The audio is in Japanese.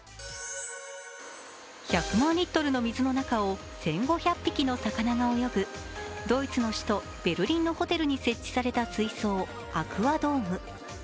１００万リットルの水の中を１５００匹の魚が泳ぐドイツの首都ベルリンのホテルに設置された水槽、アクア・ドーム。